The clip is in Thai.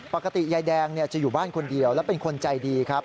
ปกติยายแดงจะอยู่บ้านคนเดียวและเป็นคนใจดีครับ